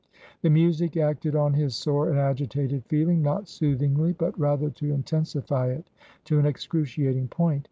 The music acted on his sore and agitated feeling, not soothingly, but rather to intensify it to an excruciating point.